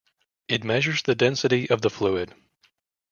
It measures the density of the fluid.